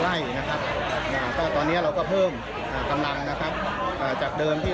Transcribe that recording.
ด้านการสแกนพื้นที่การปรูคมที่จะเข้าไปสำรวจโดยละเอียด